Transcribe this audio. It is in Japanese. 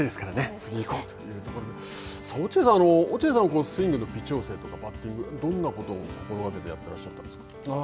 次以降ということで、落合さん、落合さんはスイングの微調整とか、バッティングは、どんなことを心がけてやっていらっしゃったんですか。